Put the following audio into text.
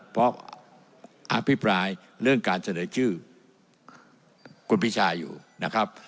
เพราะอภิปรายเรื่องการเสนอชื่อคุณพิชาอยู่นะครับ